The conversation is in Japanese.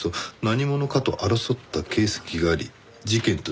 「何者かと争った形跡があり事件と断定」